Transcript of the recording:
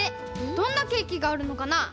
どんなケーキがあるのかな？